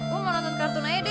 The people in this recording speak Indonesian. gue mau nonton kartu aja deh